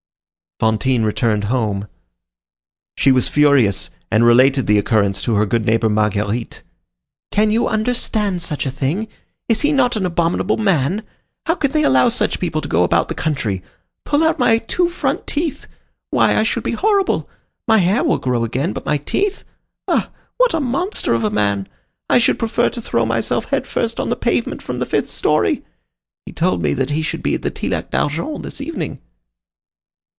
Fantine returned home. She was furious, and related the occurrence to her good neighbor Marguerite: "Can you understand such a thing? Is he not an abominable man? How can they allow such people to go about the country! Pull out my two front teeth! Why, I should be horrible! My hair will grow again, but my teeth! Ah! what a monster of a man! I should prefer to throw myself head first on the pavement from the fifth story! He told me that he should be at the Tillac d'Argent this evening."